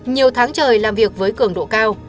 nhiều tháng trời làm việc với cường độ cao